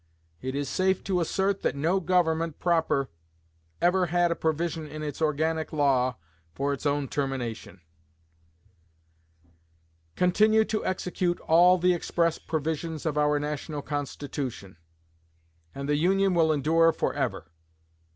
It is safe to assert that no Government proper ever had a provision in its organic law for its own termination. Continue to execute all the express provisions of our National Constitution, and the Union will endure forever....